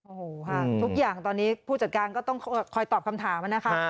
โอ้โหค่ะทุกอย่างตอนนี้ผู้จัดการก็ต้องคอยตอบคำถามนะคะ